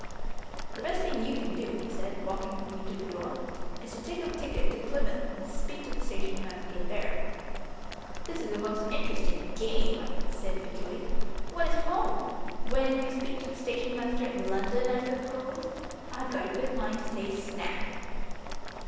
"The best thing you can do," he said, walking with me to the door, "is to take a ticket to Plymouth, and speak to the station master there " "This is a most interesting game," I said bitterly. "What is 'home'? When you speak to the station master at London, I suppose? I've a good mind to say 'snap'!"